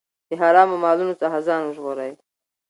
د حرامو مالونو څخه ځان وژغورئ.